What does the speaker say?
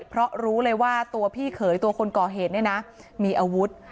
เพราะรู้เลยว่าตัวพี่เขยตัวคนก่อเหตุเนี่ยนะมีอาวุธ